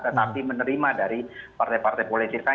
tetapi menerima dari partai partai politik lain